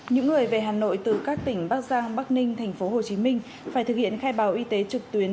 những người về hà nội từ các tỉnh bắc giang bắc ninh tp hcm phải thực hiện khai báo y tế trực tuyến